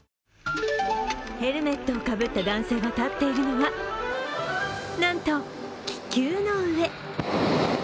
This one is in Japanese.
ヘルメットをかぶった男性が立っているのはなんと気球の上。